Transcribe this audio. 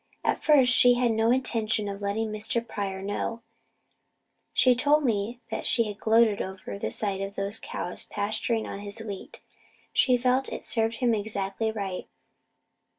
At first she had no intention of letting Mr. Pryor know. She told me she had just gloated over the sight of those cows pasturing on his wheat. She felt it served him exactly right.